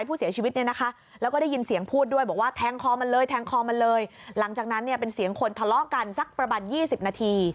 เป็นเสียงคนทะเลาะกันสักประมาณ๒๐นาที